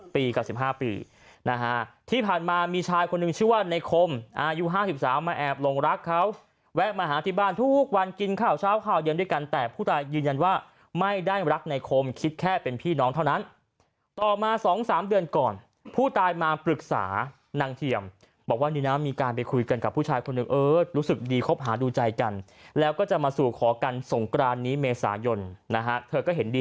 ปีกับสิบห้าปีนะฮะที่ผ่านมามีชายคนนึงชื่อว่าในคมอายุห้าสิบสามมาแอบลงรักเขาแวะมาหาที่บ้านทุกวันกินข้าวเช้าข้าวเย็นด้วยกันแต่ผู้ตายยืนยันว่าไม่ได้รักในคมคิดแค่เป็นพี่น้องเท่านั้นต่อมาสองสามเดือนก่อนผู้ตายมาปรึกษานางเทียมบอกว่านี่นะมีการไปคุยกันกับผู้ชายคนนึงเออรู้สึกดี